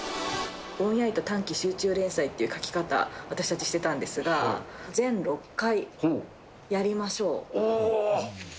ぼんやりと短期集中連載っていう書き方、私たちしてたんですが、全６回やりましょう。